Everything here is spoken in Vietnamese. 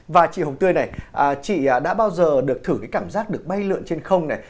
và chị hồng tươi này chị đã bao giờ được thử cái cảm giác được bay lượn trên không này